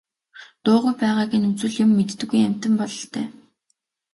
Дуугүй байгааг нь үзвэл юм мэддэггүй амьтан бололтой.